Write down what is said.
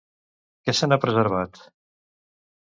Què se n'ha preservat?